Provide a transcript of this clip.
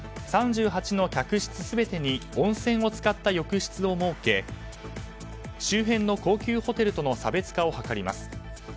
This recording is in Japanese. ３８の客室全てに温泉を使った浴室を設け周辺の高級ホテルとの差別化を図ります。